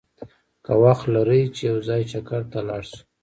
که وخت لرې چې یو ځای چکر ته لاړ شو!